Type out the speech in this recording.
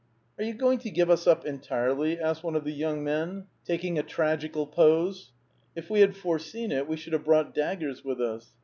"" Are you going to give us op entirely? " asked one of the young men, taking a tragical pose. " If we had foreseen it, we should have brought daggers with us.